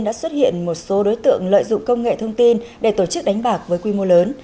đã xuất hiện một số đối tượng lợi dụng công nghệ thông tin để tổ chức đánh bạc với quy mô lớn